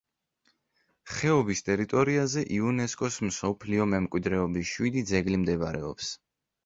ხეობის ტერიტორიაზე იუნესკოს მსოფლიო მემკვიდრეობის შვიდი ძეგლი მდებარეობს.